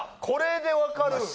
これでわかる？